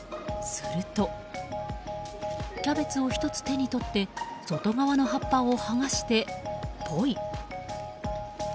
するとキャベツを１つ手に取って外側の葉っぱを剥がして、ポイ。